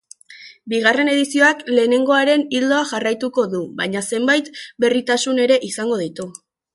Bigarren edizioak lehenengoaren ildoa jarraituko du, baina zeinbait berritasun ere izango ditu.